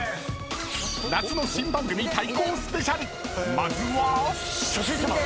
［まずは］